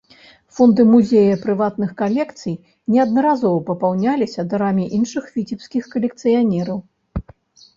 Фонды музея прыватных калекцый неаднаразова папаўняліся дарамі іншых віцебскіх калекцыянераў.